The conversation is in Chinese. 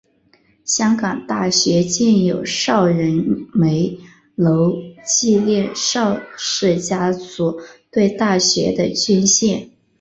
香港大学建有邵仁枚楼纪念邵氏家族对大学的捐献。